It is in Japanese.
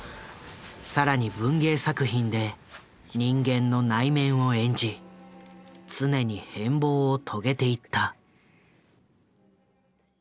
更に文芸作品で人間の内面を演じ常に変貌を遂げていった。